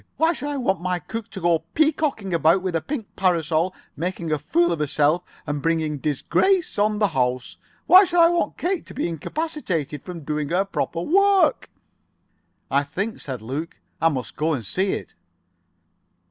Why should I want my cook to go peacocking about with a pink parasol, making a fool of herself, and bringing disgrace on the house? Why should I want Kate to be incapacitated from doing her proper work?" "I think," said Luke, "I must go and see it."